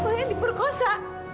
mbak saya diperkosa